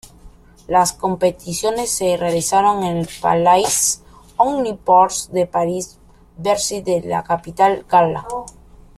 Las competiciones se realizaron en el Palais Omnisports de Paris-Bercy de la capital gala.